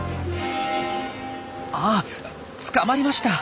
あっ捕まりました。